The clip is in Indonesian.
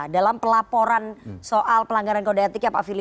dalam pelaporan soal pelanggaran kode etiknya pak fili